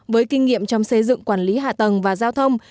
với kinh nghiệm trong xây dựng quản lý hạ tầng và giao thông